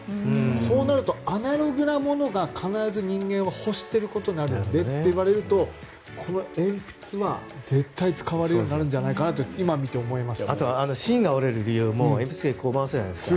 そうなるとアナログなものが必ず人間は欲していることになるのでといわれるとこの鉛筆は絶対、使われるようになるんじゃないかなとあと芯が折れる理由も鉛筆削り回すじゃないですか。